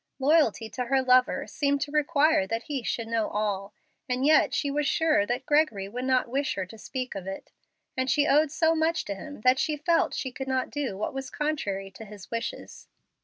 Loyalty to her lover seemed to require that he should know all, and yet she was sure that Gregory would not wish her to speak of it, and she owed so much to him that she felt she could not do what was contrary to his wishes.